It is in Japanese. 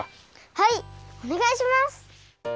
はいおねがいします！